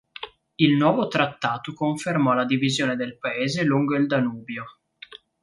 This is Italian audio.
Il nuovo trattato confermò la divisione del paese lungo il Danubio.